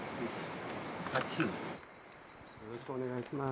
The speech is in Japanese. よろしくお願いします。